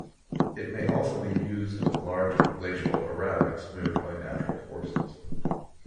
It may also be used of large glacial erratics moved by natural forces.